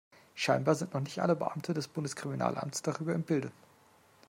Scheinbar sind noch nicht alle Beamte des Bundeskriminalamtes darüber im Bilde.